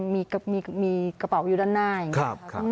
มีกระเป๋าหรือย์ด้านหน้า